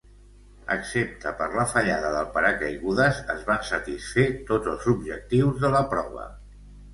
Excepte per la fallada del paracaigudes, es van satisfer tots els objectius de la prova.